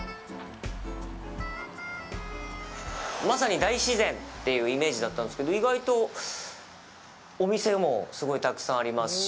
まさに大自然というイメージだったんですけど意外とお店もすごいたくさんありますし。